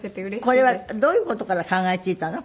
これはどういう事から考えついたの？